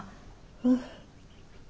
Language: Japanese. うん。